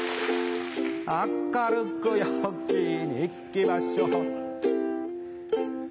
明るく陽気にいきましょう